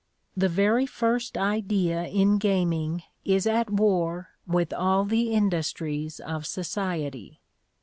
The very first idea in gaming is at war with all the industries of society.